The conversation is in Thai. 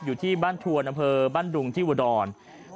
อยู่บ้านถั่วหน้าเผลอบ้านดุงที่วดร